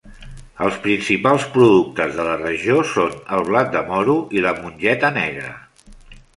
Els principals productes de la regió són el blat de moro i la mongeta negra.